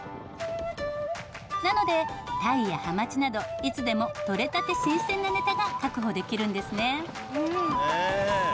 なので鯛やはまちなどいつでもとれたて新鮮なネタが確保できるんですね。